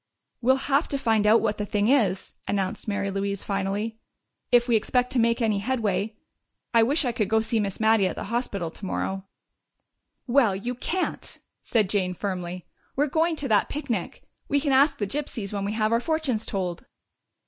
"We'll have to find out what the thing is," announced Mary Louise finally, "if we expect to make any headway. I wish I could go see Miss Mattie at the hospital tomorrow." "Well, you can't," said Jane firmly. "You're going to that picnic. We can ask the gypsies when we have our fortunes told."